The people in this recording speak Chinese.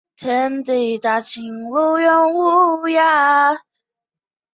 治所在戎州西五百三十五里。